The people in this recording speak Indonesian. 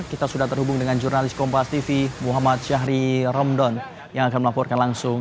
kita sudah terhubung dengan jurnalis kompas tv muhammad syahri romdon yang akan melaporkan langsung